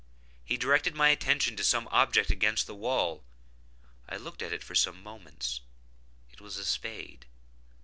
He directed my attention to some object against the wall. I looked at it for some minutes: it was a spade.